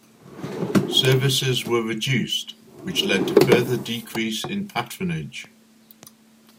Services were reduced, which led to further decrease in patronage.